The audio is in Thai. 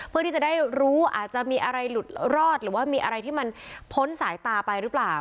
เพื่อที่จะได้รู้อาจจะมีอะไรหลุดรอดหรือว่ามีอะไรที่มันพ้นสายตาไปหรือเปล่า